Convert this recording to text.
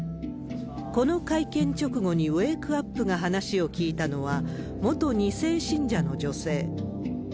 この会見直後にウェークアップが話を聞いたのは、元２世信者の女性。